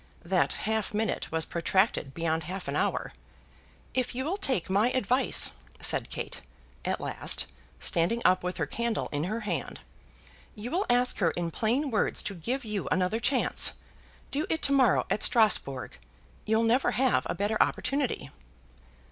That half minute was protracted beyond half an hour. "If you'll take my advice," said Kate, at last, standing up with her candle in her hand, "you'll ask her in plain words to give you another chance. Do it to morrow at Strasbourg; you'll never have a better opportunity."